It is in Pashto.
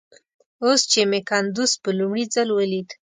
اوس چې مې کندوز په لومړي ځل وليد.